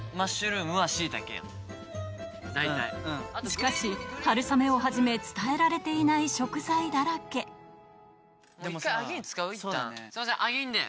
しかし春雨をはじめ伝えられていない食材だらけそうだね。